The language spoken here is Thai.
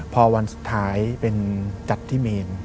พอวันสุดท้ายเป็นจัดที่เมน